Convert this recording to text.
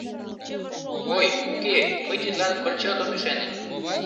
Ой, уке, мый тидлан пырчат ом ӱшане!